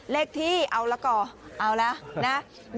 เลขที่เอาละก่อเอาแล้วนะ